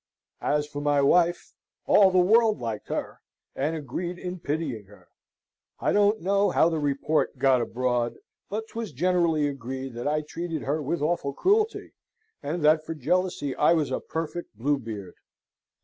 As for my wife, all the world liked her, and agreed in pitying her. I don't know how the report got abroad, but 'twas generally agreed that I treated her with awful cruelty, and that for jealousy I was a perfect Bluebeard.